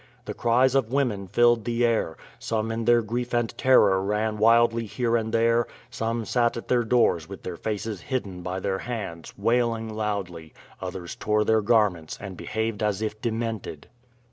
The cries of women filled the air; some in their grief and terror ran wildly here and there; some sat at their doors with their faces hidden by their hands, wailing loudly; others tore their garments and behaved as if demented.